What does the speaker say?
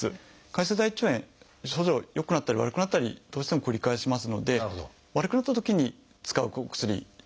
潰瘍性大腸炎症状が良くなったり悪くなったりどうしても繰り返しますので悪くなったときに使うお薬になります。